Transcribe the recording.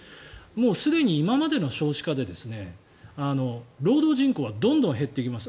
すでに今までの少子化で労働人口はどんどん減っていきます。